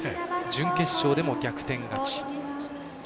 準決勝でも逆転勝ち。